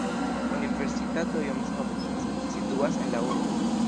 Universitato Johns Hopkins situas en la urbo.